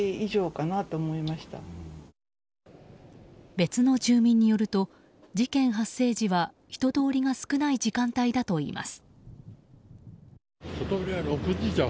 別の住民によると事件発生時は人通りが少ない時間帯だといいます。